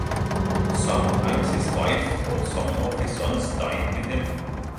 Sometimes his wife or some of his sons dined with him.